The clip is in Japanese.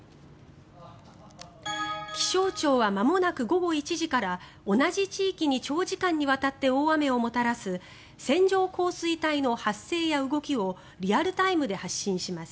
気象庁はまもなく午後１時から同じ地域に長時間にわたって大雨をもたらす線状降水帯の発生や動きをリアルタイムで発信します。